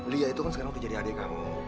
lia itu kan sekarang udah jadi adik kamu